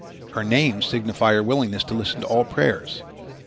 Her names signify her willingness to listen to all prayers.